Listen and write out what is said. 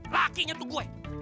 lakinya tuh gue